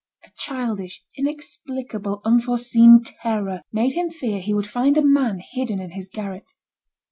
A childish, inexplicable, unforeseen terror made him fear he would find a man hidden in his garret.